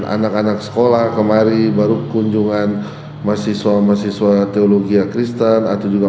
anak anak sekolah kemari baru kunjungan mahasiswa mahasiswa teologi kristen atau juga